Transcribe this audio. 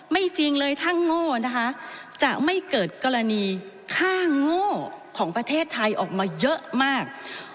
จริงเลยถ้าโง่นะคะจะไม่เกิดกรณีค่าโง่ของประเทศไทยออกมาเยอะมาก